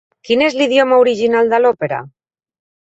Quin és l'idioma original de l'òpera?